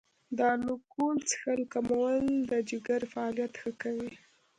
د الکول څښل کمول د جګر فعالیت ښه کوي.